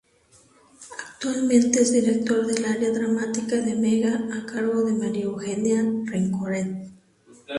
Actualmente es director del Área Dramática de Mega a cargo de María Eugenia Rencoret.